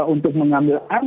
untuk mengambil aman